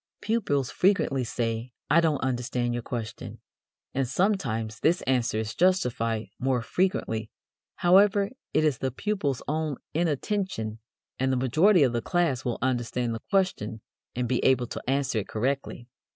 Pupils frequently say: "I don't understand your question," and sometimes this answer is justified, more frequently, however, it is the pupil's own inattention, and the majority of the class will understand the question and be able to answer it correctly.